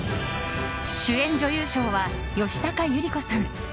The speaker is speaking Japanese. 主演女優賞は吉高由里子さん。